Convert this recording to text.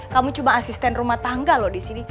kamu cuma asisten rumah tangga loh disini